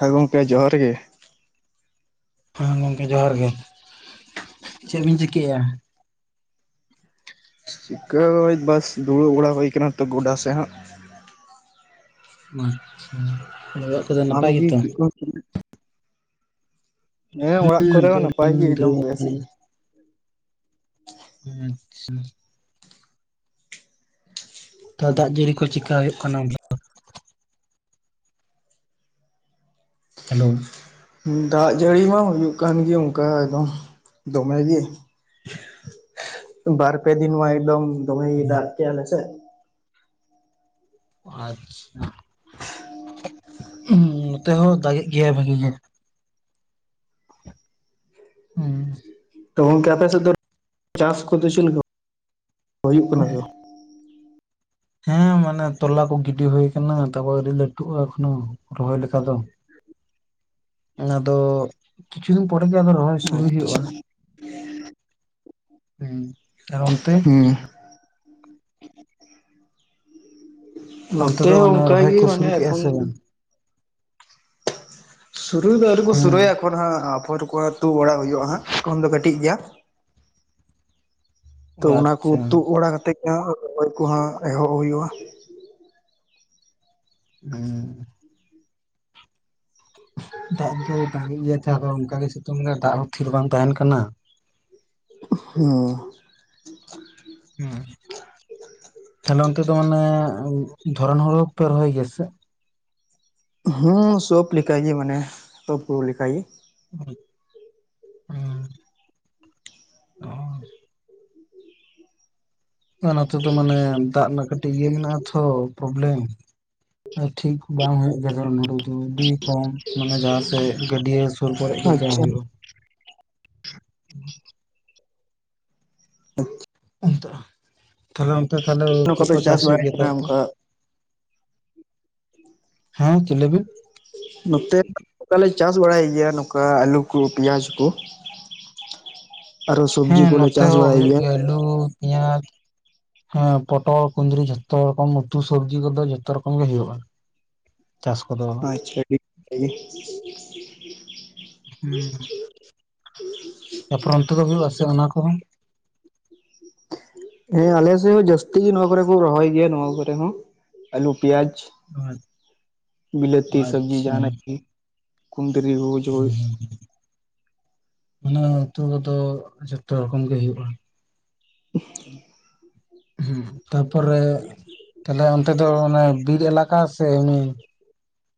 ᱦᱮᱸ ᱜᱚᱝᱠᱮ ᱡᱚᱦᱟᱨ ᱜᱮ᱾ ᱦᱮᱸ ᱜᱚᱢᱠᱮ ᱡᱚᱦᱟᱨ ᱜᱮ, ᱪᱮᱫ ᱵᱤᱱ ᱪᱤᱠᱟᱹᱭᱮᱼᱟ? ᱪᱤᱠᱟᱹ ᱦᱚ ᱵᱟᱹᱥ ᱫᱩᱲᱩᱵ ᱵᱟᱲᱟ ᱦᱩᱭ ᱠᱟᱱᱟ ᱛᱚ ᱜᱚᱰᱟ ᱥᱮᱫ ᱦᱟᱸᱜ ᱾ ᱜᱚᱪᱷᱟ [unintelligible] ᱟᱢ ᱜᱮ ᱪᱮᱫ ᱠᱚᱢ [unintelligible] ᱦᱮᱸ ᱚᱲᱟᱜ ᱠᱚᱨᱮ ᱦᱚᱸ ᱱᱟᱯᱟᱭ ᱜᱮ ᱟᱹᱞᱤᱧ ᱮᱠᱫᱚᱢ ᱫᱩᱲᱩᱵ ᱵᱮᱥ ᱜᱮ ᱾ ᱟᱪᱪᱷᱟ ᱾ ᱛᱚ ᱫᱟᱜ ᱡᱟᱹᱨᱤ ᱠᱚ ᱪᱮᱠᱟ ᱦᱩᱭᱩᱜ ᱠᱟᱱᱟ? ᱦᱮᱞᱳ᱾ ᱫᱟᱜ ᱡᱟᱹᱲᱤ ᱢᱟ ᱦᱩᱭᱩᱜ ᱠᱟᱱ ᱜᱮ ᱚᱱᱠᱟ ᱫᱚ ᱫᱚᱢᱮ ᱜᱮ᱾ ᱵᱟᱨ ᱯᱮ ᱫᱤᱱ ᱢᱟ ᱮᱠᱫᱚᱢ ᱫᱚᱢᱮ ᱫᱟᱜ ᱠᱮᱜ-ᱟ ᱟᱞᱮ ᱥᱮᱫ᱾ ᱟᱪᱪᱷᱟ ᱱᱚᱛᱮ ᱦᱚᱸ ᱫᱟᱜᱮᱜ ᱜᱮᱭᱟᱭ ᱵᱷᱟᱜᱤ ᱜᱮ, ᱦᱩᱸ ᱛᱚ ᱜᱚᱝᱠᱮ ᱟᱯᱮ ᱥᱮᱫ ᱫᱚ ᱪᱟᱥ ᱠᱚᱫᱚ ᱪᱮᱫᱠᱟ ᱦᱩᱭᱩᱜ ᱠᱟᱱᱟ ᱥᱮ ᱵᱟᱝ? ᱦᱮᱸ ᱢᱟᱱᱮ ᱛᱚᱞᱟ ᱠᱚ ᱜᱤᱰᱤ ᱦᱩᱭ ᱠᱟᱱᱟ ᱛᱟᱯᱚᱨ ᱟᱹᱨᱤ ᱞᱟᱹᱴᱩᱜ-ᱟ ᱮᱠᱷᱚᱱᱳ, ᱨᱚᱦᱚᱭ ᱞᱮᱠᱟ ᱫᱚ ᱚᱱᱟ ᱫᱚ ᱠᱤᱪᱷᱩ ᱫᱤᱱ ᱯᱚᱨᱮᱜ ᱜᱮ ᱟᱫᱚ ᱨᱚᱦᱚᱭ ᱥᱩᱨᱩᱭ ᱵᱟᱝ ᱦᱩᱭᱩᱜ-ᱟ᱾ ᱟᱪᱪᱷᱟ [unintelligible] ᱦᱮᱸ ᱟᱨ ᱚᱱᱛᱮ ᱦᱩᱸ ᱚᱱᱛᱮ ᱱᱚᱛᱮ ᱫᱚ ᱦᱚᱸ ᱢᱟᱱᱮ ᱚᱱᱠᱟᱜ ᱨᱚᱦᱚᱭ ᱜᱮ ᱠᱚ ᱢᱟᱱᱮ ᱥᱩᱨᱩ ᱠᱮᱜᱼᱟ ᱮᱠᱷᱚᱱ ᱥᱮ ᱵᱟᱝ? ᱥᱩᱨᱩᱭ ᱫᱚ ᱟᱹᱣᱨᱤ ᱠᱚ ᱥᱩᱨᱩᱨᱩᱭᱟ ᱦᱮᱸ ᱮᱠᱷᱚᱱ ᱦᱟᱸᱜ [unintelligible] ᱠᱚ ᱟᱛᱩ ᱵᱟᱲᱟ ᱦᱩᱭᱩᱜ-ᱟ ᱦᱟᱸᱜ ᱮᱠᱷᱚᱱ ᱫᱚ ᱠᱟᱹᱴᱤᱡ ᱜᱮᱭᱟ, ᱚ ᱛᱚ ᱚᱱᱟ ᱠᱚ ᱟᱪᱪᱷᱟ ᱛᱩᱫ ᱵᱟᱲᱟ ᱠᱟᱛᱮ ᱜᱮ ᱨᱚᱦᱚᱭ ᱠᱚ ᱦᱟᱸᱜ ᱮᱦᱚᱵ ᱦᱩᱭᱩᱜ-ᱟ᱾ [inaudible] ᱫᱟᱜ ᱫᱚ ᱫᱟᱜᱤ ᱜᱮᱭᱟ ᱛᱟᱦᱮᱸ ᱟᱫᱚ ᱚᱱᱠᱟᱜ ᱜᱮ ᱥᱤᱛᱩᱝ ᱫᱟᱭ, ᱫᱟᱜ ᱦᱚᱸ ᱛᱷᱤᱨ ᱵᱟᱝ ᱛᱟᱦᱮᱱ ᱠᱟᱱᱟ᱾ [inaudible] [unintelligible] ᱦᱮ ᱛᱟᱦᱚᱞᱮ ᱚᱱᱛᱮ ᱫᱚ ᱢᱟᱱᱮ ᱫᱷᱚᱨᱚᱱ ᱦᱳᱲᱳ ᱠᱚᱯᱮ ᱨᱚᱦᱚᱭ ᱜᱮᱭᱟ ᱥᱮ? ᱦᱩᱸ ᱥᱳᱯ ᱞᱮᱠᱟ ᱜᱮ ᱢᱟᱱᱮ ᱛᱳᱯᱳ ᱞᱮᱠᱟ ᱜᱮ, [inaudible] ᱚᱱᱟ ᱛᱮᱫᱚ ᱢᱟᱱᱮ ᱫᱟᱜ ᱨᱮᱱᱟᱜ ᱠᱟᱹᱴᱤᱡ ᱤᱭᱟᱹ ᱢᱮᱱᱟᱜ-ᱟ ᱛᱚ, ᱯᱨᱚᱵᱞᱮᱢ ᱟᱨ ᱴᱷᱤᱠ ᱵᱟᱝ ᱦᱩᱭᱩᱜ ᱜᱮᱭᱟ [unintelligible] ᱟᱹᱰᱤ ᱠᱚᱢ ᱢᱟᱱᱮ ᱡᱟᱦᱟᱸ ᱥᱮᱫ ᱜᱟᱹᱰᱤᱭᱟᱹ ᱥᱮ ᱥᱩᱨ ᱠᱚᱨᱮ ᱜᱮ ᱡᱟ ᱟᱪᱪᱷᱟ ᱦᱩᱭᱩᱜ-ᱟ᱾ [unintelligible] ᱛᱟᱦᱞᱮ ᱚᱱᱛᱮ ᱛᱟᱦᱞᱮ ᱱᱚᱝᱠᱟ ᱪᱮᱫ ᱯᱮ ᱠᱚ ᱪᱟᱥ ᱦᱩᱭᱩᱜ ᱵᱟᱲᱟᱭ ᱜᱮᱭᱟ ᱠᱟᱱᱟ ᱛᱟᱨᱯᱚᱨ? ᱚᱱᱠᱟ ᱦᱮᱸ ᱪᱮᱞᱮᱵᱤᱱ ᱱᱚᱛᱮ ᱱᱚᱝᱠᱟᱞᱮ ᱪᱟᱥ ᱵᱟᱲᱟᱭ ᱜᱮᱭᱟ ᱱᱚᱝᱠᱟ ᱟᱹᱞᱩ ᱠᱚ ᱯᱮᱸᱭᱟᱡᱽ ᱠᱚ᱾ ᱟᱨᱚ ᱥᱚᱵᱽᱡᱤ ᱦᱮᱸ ᱠᱚᱞᱮ ᱱᱚᱛᱮ ᱪᱟᱥ ᱦᱚᱸ ᱵᱟᱲᱟᱭ ᱦᱩᱭᱩᱜ ᱜᱮᱭᱟ ᱟᱹᱞᱩ ᱯᱮᱸᱭᱟᱡᱽ᱾ ᱦᱮᱸ ᱯᱚᱴᱚᱞ ᱠᱩᱸᱫᱽᱨᱤ ᱡᱷᱚᱛᱚ ᱨᱚᱠᱚᱢ ᱩᱛᱩ ᱥᱚᱵᱽᱡᱤ ᱠᱚᱫᱚ ᱡᱷᱚᱛᱚ ᱨᱚᱠᱚᱢ ᱜᱮ ᱦᱩᱭᱩᱜ-ᱟ᱾ [unintelligible] ᱪᱟᱥ ᱠᱚᱫᱚ, [unintelligible] ᱦᱩᱸ ᱛᱟᱯᱚᱨ ᱚᱱᱛᱮ ᱫᱚ ᱦᱩᱭᱩᱜ-ᱟ ᱥᱮ ᱚᱱᱟ ᱠᱚᱦᱚᱸ? [unintelligible] ᱦᱮᱸ ᱟᱞᱮ ᱥᱮᱫ ᱦᱚᱸ ᱡᱟᱹᱥᱛᱤ ᱱᱚᱣᱟ ᱠᱚᱨᱮ ᱠᱚ ᱨᱚᱦᱚᱭ ᱜᱮᱭᱟ ᱱᱚᱣᱟ ᱠᱚᱨᱮ ᱦᱚᱸ ᱟᱹᱞᱩ ᱯᱮᱸᱭᱟᱡᱽ᱾ ᱵᱤᱞᱟᱹᱛᱤ ᱥᱚᱵᱡᱤ ᱟᱪᱪᱷᱟ ᱡᱟᱦᱟᱱᱟᱜ ᱜᱮ ᱠᱩᱸᱫᱽᱨᱤ ᱠᱚ ᱦᱩᱸ ᱚᱱᱟ ᱩᱛᱩ ᱫᱚ ᱡᱚᱛᱚ ᱨᱚᱠᱚᱢ ᱜᱮ ᱦᱩᱭᱩᱜ-ᱟ᱾ [unintelligible] ᱦᱩᱸ ᱛᱟᱯᱚᱨᱮ ᱛᱟᱦᱞᱮ ᱚᱱᱛᱮ ᱫᱚ ᱚᱱᱮ ᱵᱤᱨ ᱮᱞᱟᱠᱟ ᱥᱮ ᱮᱢᱱᱤ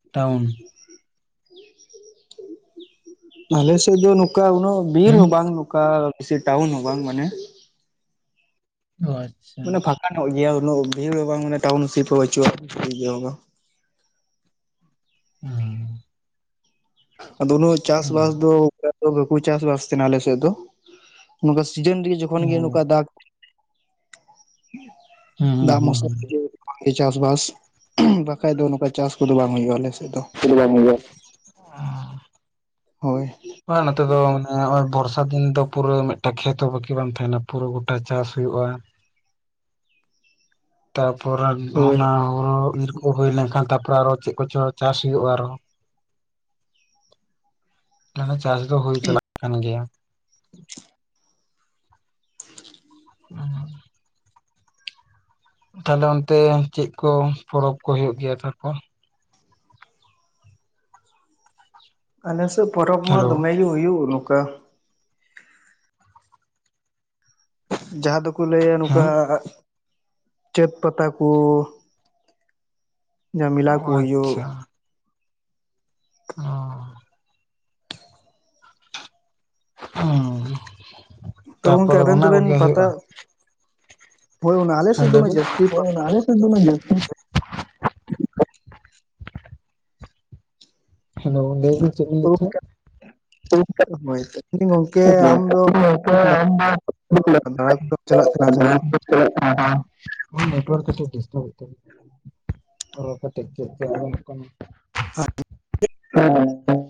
[unintelligible] ᱟᱞᱮ ᱥᱮᱫ ᱫᱚ ᱱᱚᱝᱠᱟ ᱩᱱᱟᱹᱜ ᱵᱤᱨ ᱦᱩᱸ ᱦᱚᱸ ᱵᱟᱝ ᱱᱚᱝᱠᱟ ᱥᱮ ᱴᱟᱣᱩᱱ ᱦᱚᱸ ᱵᱟᱝ ᱢᱟᱱᱮ ᱚᱡ ᱢᱟᱱᱮ ᱯᱷᱟᱸᱠᱟ ᱧᱚᱜ ᱜᱮᱭᱟ ᱩᱱᱟᱹᱜ ᱵᱷᱤᱲ ᱵᱟᱝ ᱴᱟᱣᱩᱱᱥᱤᱯ ᱦᱚᱸ ᱵᱟᱪᱩᱜ-ᱟ [unintelligible] ᱤᱭᱟᱹ ᱦᱚᱸ ᱵᱟ ᱦᱮᱸ ᱟᱫᱚ ᱩᱱᱟᱹᱜ ᱪᱟᱥ-ᱵᱟᱥ ᱫᱚ ᱚᱱᱠᱟ ᱫᱚ ᱵᱟᱠᱚ ᱪᱟᱥ-ᱵᱟᱥ ᱛᱟᱦᱮᱸᱱᱟ ᱟᱞᱮ ᱥᱮᱜ ᱫᱚ᱾ ᱱᱚᱝᱠᱟ ᱥᱤᱡᱤᱱ ᱜᱮ ᱡᱚᱠᱷᱚᱱ ᱦᱩᱸ ᱜᱮ ᱱᱚᱝᱠᱟᱭ ᱫᱟᱜᱽ ᱦᱩᱸ ᱫᱟᱜᱽ ᱦᱩᱸ ᱢᱚᱥᱞᱟ [inaudible] ᱦᱩᱸ ᱤᱭᱟᱹᱜᱮ ᱵᱟᱝ, ᱪᱟᱥᱵᱟᱥ ᱵᱟᱠᱷᱟᱭ ᱫᱚ ᱱᱚᱝᱠᱟ ᱪᱟᱥ ᱠᱚᱫᱚ ᱵᱟᱝ ᱦᱩᱭᱩᱜᱼᱟ ᱟᱞᱮᱥᱮᱜ ᱫᱚ᱾ [unintelligible] ᱦᱳᱭ ᱟ ᱱᱚᱛᱮ ᱫᱚ ᱢᱮᱱᱟᱜ-ᱟ ᱱᱚᱜ-ᱚᱭ ᱵᱚᱨᱥᱟ ᱫᱤᱱ ᱫᱚ ᱯᱩᱨᱟᱹ ᱢᱤᱫᱴᱮᱜ ᱠᱷᱮᱛ ᱦᱚᱸ ᱵᱟᱠᱤ ᱵᱟᱝ ᱛᱟᱦᱮᱱᱟ ᱯᱩᱨᱟᱹ ᱜᱚᱴᱟ ᱪᱟᱥ ᱦᱩᱭᱩᱜᱼᱟ᱾ ᱛᱟᱯᱚᱨᱟ ᱦᱳᱭ ᱚᱱᱟ ᱦᱩᱲᱩ ᱤᱨ ᱠᱚ ᱦᱩᱭ ᱞᱮᱱᱠᱷᱟᱱ ᱛᱟᱯᱚᱨᱮ ᱟᱨᱚ ᱪᱮᱜ ᱠᱚᱪᱚ ᱪᱟᱥ ᱦᱩᱭᱩᱜᱼᱟ ᱟᱨᱦᱚᱸ᱾ ᱡᱟᱦᱟᱸ ᱪᱟᱥ ᱫᱚ ᱦᱩᱭ ᱪᱟᱞᱟᱜ ᱠᱟᱱ ᱜᱮᱭᱟ, [inaudible] ᱩᱸ ᱛᱟᱦᱞᱮ ᱚᱱᱛᱮ ᱪᱮᱜ ᱠᱚ ᱯᱚᱨᱚᱵᱽ ᱠᱚ ᱦᱩᱭᱩᱜ ᱜᱮᱭᱟ ᱛᱟᱨᱯᱚᱨ? ᱟᱞᱮ ᱥᱮᱜ ᱯᱚᱨᱚᱵᱽ ᱢᱟ ᱦᱮᱞᱳ ᱫᱚᱢᱮ ᱜᱮ ᱦᱩᱭᱩᱜ ᱱᱚᱝᱠᱟ ᱡᱟᱦᱟᱸ ᱫᱚᱠᱚ ᱞᱟᱹᱭᱟ ᱱᱚᱝᱠᱟ ᱦᱮᱸ ᱪᱟᱹᱛ ᱯᱟᱛᱟ ᱠᱚ, ᱡᱟᱹ ᱢᱤᱞᱟ ᱚ ᱠᱚ ᱦᱩᱭᱩᱜ ᱟᱪᱪᱷᱟ ᱚᱸ ᱩᱸ ᱛᱚ ᱜᱚᱝᱠᱮ ᱛᱟᱯᱚᱨᱮ ᱟᱵᱮᱱ ᱚᱱᱟ ᱠᱚᱜᱮ ᱫᱚᱵᱮᱱ ᱯᱟᱛᱟ ᱦᱩᱭᱩᱜᱼᱟ᱾ ᱦᱳᱭ ᱚᱱᱟ ᱟᱞᱮ ᱦᱮᱸ ᱥᱮᱫ ᱫᱚ ᱞᱟᱹᱭ ᱩᱱᱟᱹᱜ ᱵᱤᱱ? ᱡᱟᱹᱥᱛᱤ ᱦᱚᱭ ᱯᱟᱛᱟ ᱚᱱᱟ ᱟᱞᱮ ᱥᱮᱜ ᱫᱚ ᱩᱱᱟᱹᱜ ᱡᱟᱹᱥᱛᱤ ᱦᱮᱞᱳ ᱜᱚᱝᱠᱮ ᱞᱟᱹᱭᱵᱤᱱ ᱪᱮᱜ ᱵᱤᱱ ᱞᱟᱹᱭᱮᱜ ᱛᱟᱦᱮᱸᱫ? ᱦᱳᱭ [unintelligible] [inaudible] ᱟᱢ ᱫᱚ ᱢᱟ, ᱫᱟᱬᱟ ᱠᱚᱫᱚᱢ ᱪᱟᱞᱟᱜ ᱠᱟᱱᱟ ᱥᱮ ᱵᱟᱝ [inaudible] [inaudible] ᱦᱚᱭ ᱱᱮᱴᱣᱟᱨᱠ ᱠᱟᱹᱴᱤᱜ ᱰᱤᱥᱴᱟᱵᱮᱜ ᱛᱟᱵᱤᱱᱟ᱾ ᱨᱚᱲ ᱠᱟᱴᱤᱜ ᱠᱟᱹᱡ ᱠᱟᱹᱡ ᱟᱸᱡᱚᱢᱚᱜ ᱠᱟᱱᱟ᱾ [inaudible] ᱦᱮᱸ ᱦᱮᱸ ᱜᱚᱝᱠᱮ᱾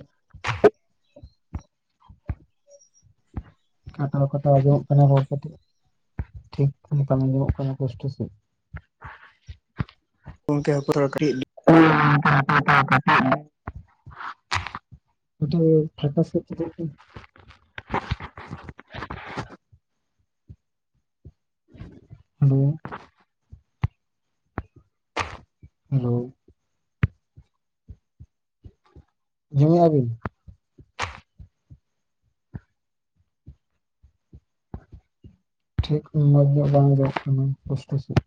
ᱠᱟᱴᱟᱣ ᱠᱟᱴᱟᱣ ᱟᱸᱡᱚᱢᱚᱜ ᱠᱟᱱᱟ ᱨᱚᱲ ᱠᱟᱹᱴᱤᱜ, ᱴᱷᱤᱠ ᱞᱮᱠᱟᱢ ᱢᱮᱛᱟᱜ ᱢᱮ ᱟᱸᱡᱚᱢᱚᱜ ᱠᱟᱱᱟ ᱯᱚᱥᱴᱟᱹ ᱥᱮᱜ ᱜᱚᱝᱠᱮ [unintelligible] ᱠᱟᱹᱴᱤᱜ [unintelligible] ᱠᱟᱹᱴᱤᱜ ᱯᱷᱟᱸᱠᱟ ᱥᱮᱜ ᱪᱟᱞᱟᱜ ᱵᱮᱱ ᱦᱟᱞᱳ, ᱦᱮᱞᱳ ᱟᱸᱡᱚ ᱢᱮᱜ-ᱟ ᱵᱤᱱ? ᱴᱷᱤᱠ ᱧᱚᱜ ᱢᱚᱸᱡᱽ ᱧᱚᱜ ᱵᱟᱝ ᱟᱸᱡᱚᱢᱚᱜ ᱠᱟᱱᱟ ᱯᱟᱹᱥᱴᱟᱹ ᱥᱟᱦᱤᱸᱪ᱾